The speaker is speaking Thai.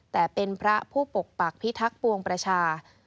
แต่เป็นพระผู้ปกปักพิทักษ์ปวงประชา